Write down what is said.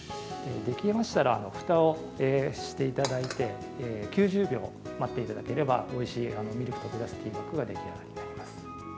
できましたら、ふたをしていただいて、９０秒待っていただければ、おいしいミルク溶けだすティーバッグができます。